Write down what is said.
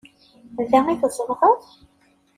Da i tzedɣeḍ?